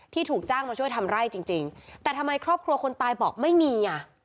ถูกจ้างมาช่วยทำไร่จริงจริงแต่ทำไมครอบครัวคนตายบอกไม่มีอ่ะ